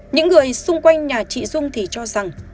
những người xung quanh nhà chị dung thì cho rằng